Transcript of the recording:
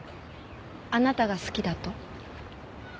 あなたが好きだと？